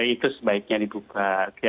itu sebaiknya dibuka